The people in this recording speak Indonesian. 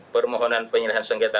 permohonan penyelahan sengketa